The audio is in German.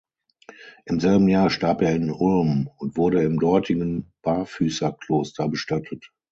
Im selben Jahr starb er in Ulm und wurde im dortigen Barfüßerkloster bestattet.